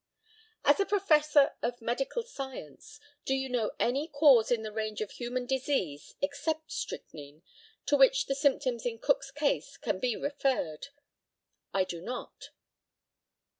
As a professor of medical science, do you know any cause in the range of human disease except strychnine to which the symptoms in Cook's case can be referred? I do not.